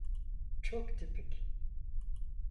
Çok tipik.